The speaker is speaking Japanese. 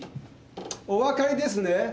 お分かりですね。